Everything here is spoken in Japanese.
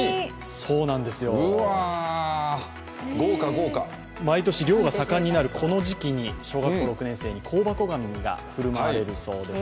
そうなんですよ、毎年、漁が盛んになるこの時期に小学校６年生に香箱ガニが振る舞われるそうです。